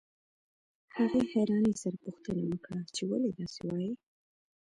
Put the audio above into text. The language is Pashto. هغې حيرانۍ سره پوښتنه وکړه چې ولې داسې وايئ.